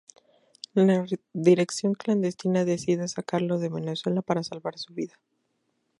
La dirección clandestina decide sacarlo de Venezuela para salvar su vida.